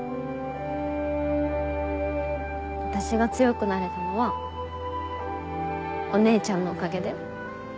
私が強くなれたのはお姉ちゃんのおかげだよ。